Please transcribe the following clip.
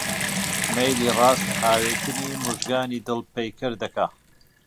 مەیلی ڕاست هاوێتنی موژگانی دڵ پەیکەر دەکا؟!